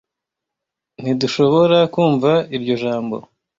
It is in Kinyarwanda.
Ntidushoborakumva iryo jambo.